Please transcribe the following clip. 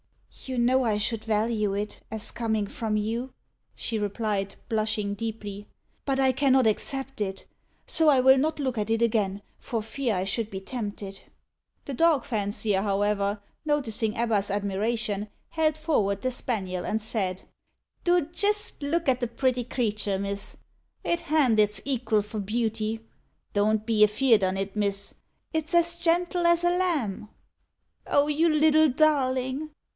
"You know I should value it, as coming from you," she replied, blushing deeply; "but I cannot accept it; so I will not look at it again, for fear I should be tempted." The dog fancier, however, noticing Ebba's admiration, held forward the spaniel, and said, "Do jist look at the pretty little creater, miss. It han't its equil for beauty. Don't be afeerd on it, miss. It's as gentle as a lamb." "Oh you little darling!"